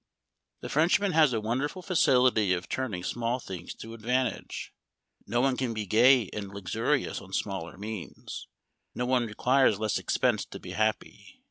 " The Frenchman has a wonderful facility of turning small things to advantage. No one can be gay and luxurious on smaller means ; no one requires less expense to be happy.